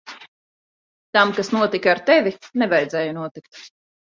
Tam, kas notika ar tevi, nevajadzēja notikt.